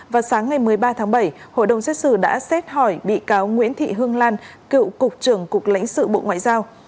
vào sáng ngày một mươi ba tháng bảy hội đồng xét xử đã xét hỏi bị cáo nguyễn thị hương lan cựu cục trưởng cục lãnh sự bộ ngoại giao